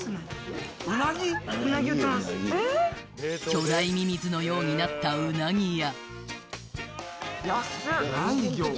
巨大ミミズのようになったうなぎや安っ